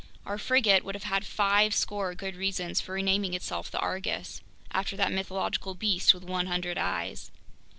Our frigate would have had fivescore good reasons for renaming itself the Argus, after that mythological beast with 100 eyes!